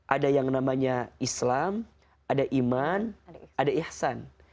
ada yang namanya islam ada iman ada ihsan